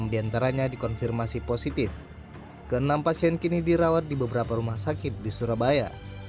enam diantaranya dikonfirmasi positif keenam pasien kini dirawat di beberapa rumah sakit di surabaya